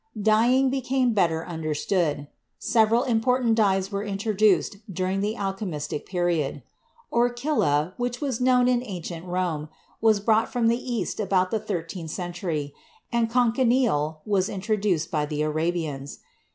Dyeing became better understood. Several important dyes were introduced during the alchemistic period. Or THE LATER ALCHEMISTS 53 chilla, which was known in ancient Rome, was brought from the East about the thirteenth century, and cochineal was introduced by the Arabians.